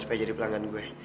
supaya jadi pelanggan gue